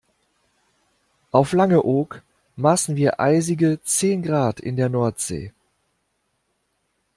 Auf Langeoog maßen wir eisige zehn Grad in der Nordsee.